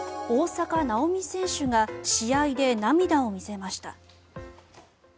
大坂なおみ選手が試合で涙を見せました。